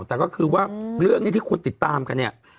แต่ก็คือว่าเรื่องนี้ที่คนติดตามกันเนี่ย